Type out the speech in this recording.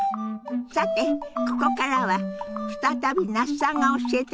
さてここからは再び那須さんが教えてくださるみたいよ。